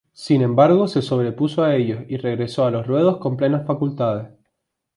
Sin embargo se sobrepuso a ellos y regresó a los ruedos con plenas facultades.